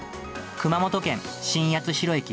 熊本県新八代駅。